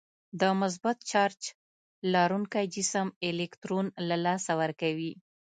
د مثبت چارج لرونکی جسم الکترون له لاسه ورکوي.